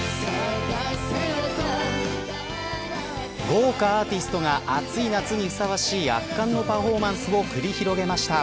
豪華アーティストが暑い夏にふさわしい圧巻のパフォーマンスを繰り広げました。